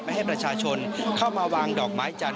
ให้ประชาชนเข้ามาวางดอกไม้จันท